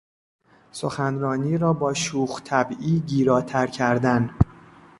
سخنرانی را با شوخ طبعی گیراتر کردن